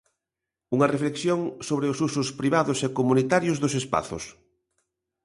Unha reflexión sobre os usos privados e comunitarios dos espazos.